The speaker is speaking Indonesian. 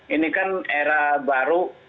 ini kan era baru